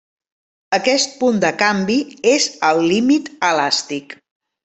Aquest punt de canvi és el límit elàstic.